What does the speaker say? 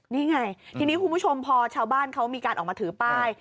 นี่ไงทีนี้คุณผู้ชมพอชาวบ้านเขามีการออกมาถือป้าย